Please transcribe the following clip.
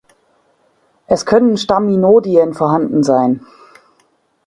Es können Staminodien vorhanden sein.